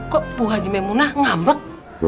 kok bu haji memunah ngambek